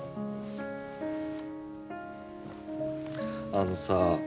あのさ。